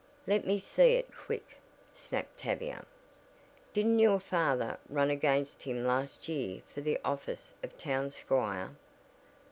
"Let me see it quick!" snapped Tavia. "Didn't your father run against him last year for the office of Town Squire?"